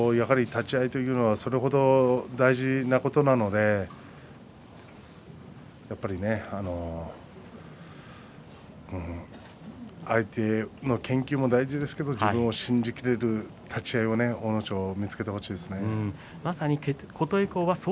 そうですね立ち合いというのはそれぐらい大事なことなんで相手の研究も大事ですけれども信じきれる立ち合いを阿武咲は見つけてほしいですね。